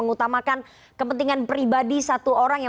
oke semoga pembentukan organisasi banyak